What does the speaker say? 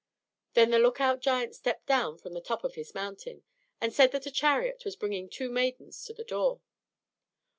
Then the lookout giant stepped down from the top of his mountain, and said that a chariot was bringing two maidens to the door.